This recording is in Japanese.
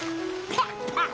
パッパッ。